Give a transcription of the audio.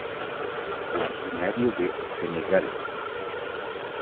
Originario de Senegal.